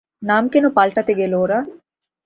নাম কেন পাল্টাতে গেল ওরা?